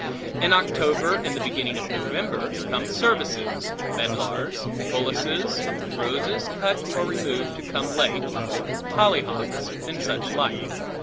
In October and the beginning of November come services; medlars; bullaces; roses cut or removed to come late; hollyhocks; and such like.